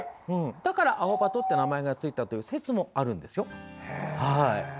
だから、アオバトという名前がついたという説もあるんですよ。